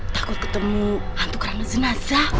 takut ketemu hantu kerana jenazah